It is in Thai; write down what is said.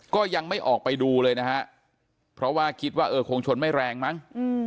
ก็ยังไม่ออกไปดูเลยนะฮะเพราะว่าคิดว่าเออคงชนไม่แรงมั้ง